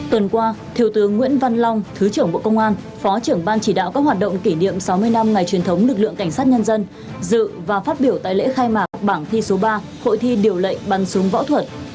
tuần qua thiếu tướng nguyễn văn long thứ trưởng bộ công an phó trưởng ban chỉ đạo các hoạt động kỷ niệm sáu mươi năm ngày truyền thống lực lượng cảnh sát nhân dân dự và phát biểu tại lễ khai mạc bảng thi số ba hội thi điều lệnh bắn súng võ thuật